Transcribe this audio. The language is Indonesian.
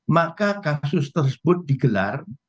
maka kasus tersebut digelar